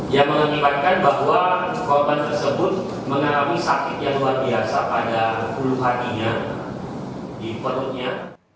yang mengakibatkan bahwa korban tersebut mengalami sakit yang luar biasa pada puluh hatinya di perutnya